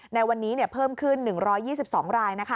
ในวันนี้เพิ่มขึ้น๑๒๒ราย